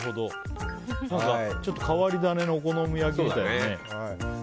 何か、ちょっと変わり種のお好み焼きみたいだね。